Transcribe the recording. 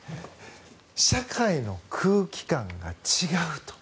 社会の空気感が違うと。